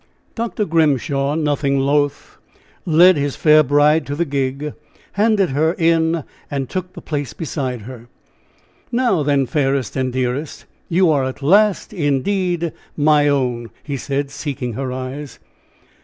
Dr. Grimshaw, "nothing loth," led his fair bride to the gig, handed her in, and took the place beside her. "Now, then, fairest and dearest, you are at last, indeed, my own!" he said, seeking her eyes.